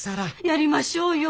やりましょうよ。